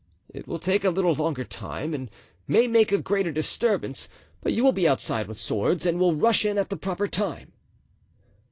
It will take a little longer time and may make a greater disturbance, but you will be outside with swords and will rush in at the proper time."